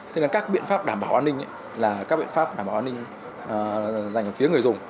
thế nên các biện pháp đảm bảo an ninh là các biện pháp đảm bảo an ninh dành phía người dùng